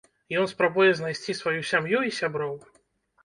Ён спрабуе знайсці сваю сям'ю і сяброў.